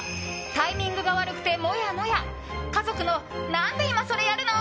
タイミングが悪くてもやもや家族の何で今それやるの？